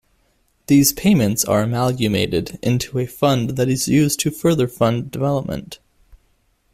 These payments are amalgamated into a fund that is used to further fund development.